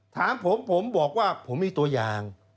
ถามผมผมบอกว่าผมมีตัวอย่าง